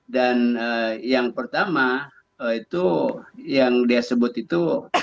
dan yang pertama itu yang dia sebut itu